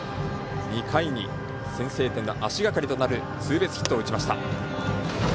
２回に先制点の足がかりとなるツーベースヒットを打ちました。